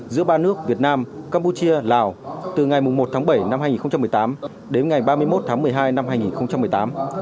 giữa ba nước việt nam campuchia lào từ ngày một tháng bảy năm hai nghìn một mươi tám đến ngày ba mươi một tháng một mươi hai năm hai nghìn một mươi tám